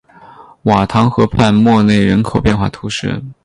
瓦唐河畔默内人口变化图示